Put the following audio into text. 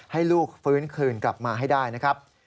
ให้ลูกฟื้นคืนกลับมาให้ได้นะครับ